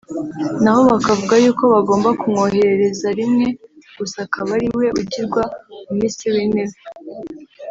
nabo bakavuga yuko bagomba kumwoherereza rimwe gusa akaba ariwe ugirwa Minisitiri w’intebe